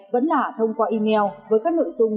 vẫn là thông qua email với các nội dung